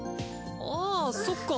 ああそっか。